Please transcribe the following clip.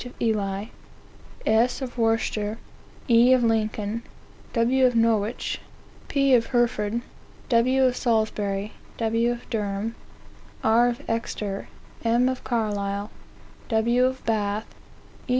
of Ely, S. of Worcester, F. of Lincoln, W. of Norwich, P. of Hereford, W. of Salisbury, W. of Durham, R. of Exeter, M. of Carlisle, W. of Bath, E.